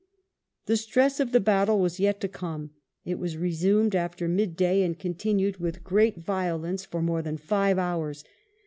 The stress of the battle was yet to come; it was resumed after mid day and continued with great violence for more than five hours.